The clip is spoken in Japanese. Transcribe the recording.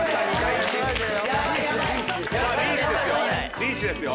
リーチですよ。